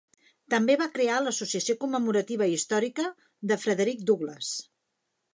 També va crear l'associació commemorativa i històrica de Frederick Douglass.